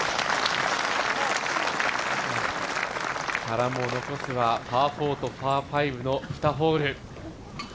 原も残すはパー４とパー５の２ホール。